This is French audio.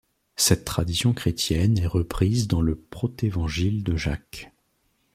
Cette tradition chrétienne est reprise dans le Protévangile de Jacques.